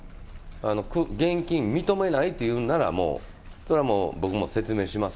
現金認めないって言うなら、もう、それはもう、僕も説明します。